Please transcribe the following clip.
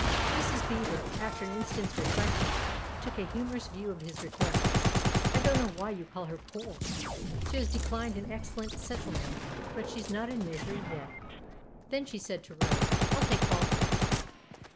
Mrs. Beever, after an instant's reflection, took a humorous view of his request. " I don't know why you call her ' poor '! She has declined an excellent settlement, but she's not in misery yet." Then she said to Rose :" I'll take Paul first."